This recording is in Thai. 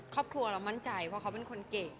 ครอบครัวเรามั่นใจเพราะเขาเป็นคนเก่ง